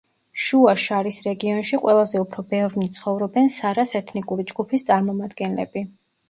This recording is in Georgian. შუა შარის რეგიონში ყველაზე უფრო ბევრნი ცხოვრობენ სარას ეთნიკური ჯგუფის წარმომადგენლები.